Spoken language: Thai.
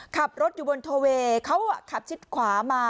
ขับรถอยู่บนโทเวย์เขาขับชิดขวามา